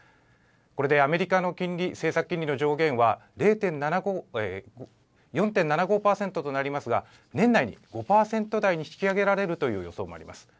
これでアメリカの金利政策金利の上限は４．７５％となりますが年内に５％台に引き上げられるという予想もあります。